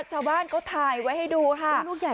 ชาวบ้านก็ถ่ายไว้ให้ดูค่ะ